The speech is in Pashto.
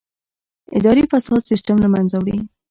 اداري فساد سیستم له منځه وړي.